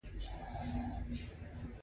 د دوی کار له یوه لوري ټولنیز شکل لري